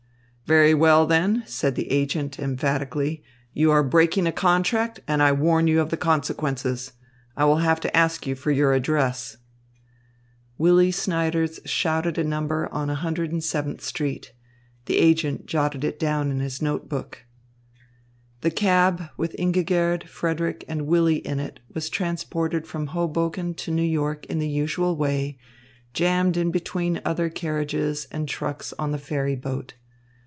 "Very well, then," said the agent emphatically, "you are breaking a contract, and I warn you of the consequences. I will have to ask you for your address." Willy Snyders shouted a number on 107th street. The agent jotted it down in his note book. The cab with Ingigerd, Frederick, and Willy in it was transported from Hoboken to New York in the usual way, jammed in between other carriages and trucks on the ferry boat.